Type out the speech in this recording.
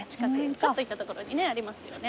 ちょっと行った所にありますよね。